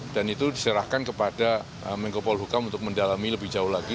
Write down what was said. dan itu diserahkan kepada menko polhukam untuk mendalami lebih jauh lagi